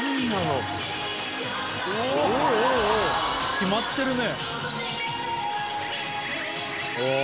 決まってるね。